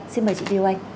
xin mời chị viu anh